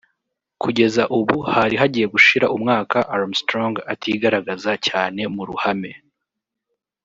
Kugeza ubu hari hagiye gushira umwaka Armstrong atigaragaza cyane mu ruhame